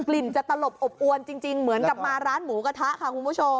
ลิ่นจะตลบอบอวนจริงเหมือนกับมาร้านหมูกระทะค่ะคุณผู้ชม